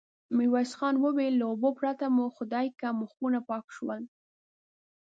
ميرويس خان وويل: له اوبو پرته مو خدايکه مخونه پاک شول.